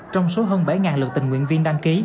trong số hơn bảy lượt tình nguyện viên đăng ký